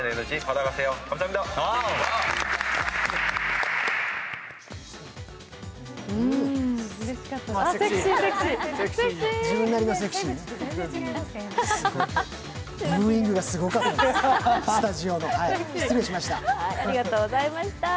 失礼しました。